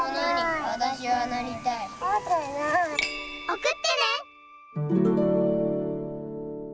おくってね！